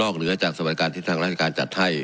นอกเหลือไปจากสวรรค์รายการที่ทางรายการจัดให้